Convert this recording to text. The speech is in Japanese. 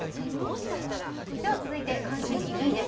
続いて関心度２位です。